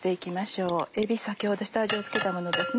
先ほど下味を付けたものですね。